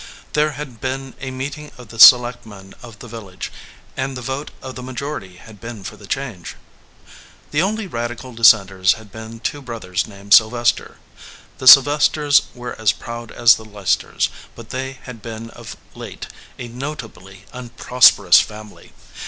There had been a meeting of the selectmen of the village, and the vote of the majority had been for the change. The only radical dissenters had been two broth ers named Sylvester. The Sylvesters were as proud as the Leicester s ; but they had been of late a notably unprosperous family.